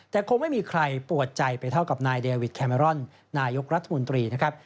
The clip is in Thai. แต่คงไม่มีใครปวดใจไปเท่ากับนายเดวิดแคเมรอนนายกรัฐมนตรีนะครับ